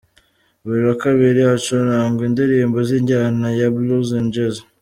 Buri wa kabiri:Hacurangwa indirimbo z’injyana ya Blues na Jazz.